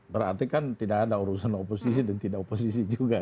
berarti kan tidak ada urusan oposisi dan tidak oposisi juga